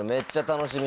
楽しみ！